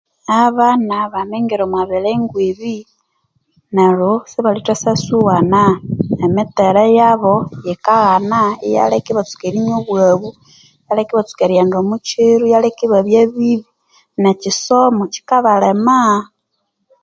Abana bamingira omwa birengo ebi neryo sibalithasasyuwana emittere yabo yikaghanaa iyaleka ibatsuka erinywa obwabu iyaleka ibatsuka erighenda omukiro iyaleka ibabya bibi nekisomo kyikaghanaa